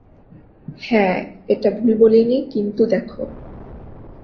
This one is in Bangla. হ্যাঁ, এটা ভুল বলেনি, কিন্তু দেখো।